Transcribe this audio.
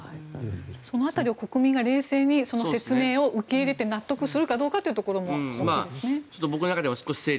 その辺りを国民が冷静にその説明を受け入れて納得するかどうかというところもあるわけですね。